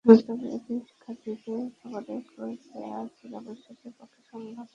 তবে এতিম শিক্ষার্থীদের খাবারের খরচ দেওয়া জেলা পরিষদের পক্ষে সম্ভব নয়।